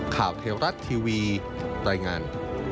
ข่าวเทวรัฐทีวีรายงาน